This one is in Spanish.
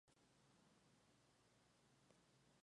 Su mujer era Gaya Cornelia Supera.